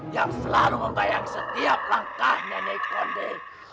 yang selalu membayang setiap langkah nenek monde